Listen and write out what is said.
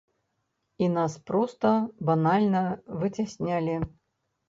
І нас проста банальна выцяснялі.